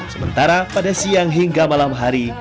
sementara pada siang hingga malam hari